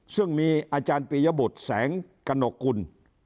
ซึ่งมีอาจารย์ปียบุตรแสงกระหนกกุล